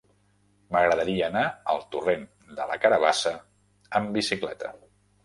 M'agradaria anar al torrent de la Carabassa amb bicicleta.